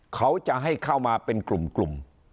เขาจะให้เข้ามาเป็นกลุ่ม